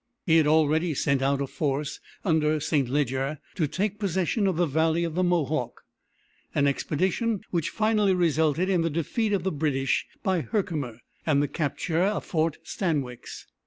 He had already sent out a force, under St. Leger, to take possession of the valley of the Mohawk an expedition which finally resulted in the defeat of the British by Herkimer, and the capture of Fort Stanwix.